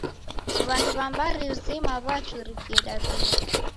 W'andu w'a mbari zima w'achurikie Daw'ida.